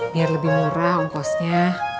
biar lebih murah ongkosnya